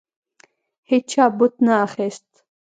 هیچا بت نه اخیست.